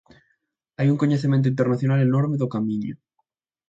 Hai un coñecemento internacional enorme do Camiño.